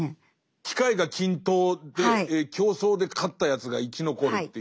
機会が均等で競争で勝ったやつが生き残るっていう。